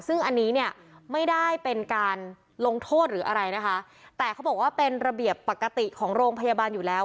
ซึ่งอันนี้เนี่ยไม่ได้เป็นการลงโทษหรืออะไรนะคะแต่เขาบอกว่าเป็นระเบียบปกติของโรงพยาบาลอยู่แล้ว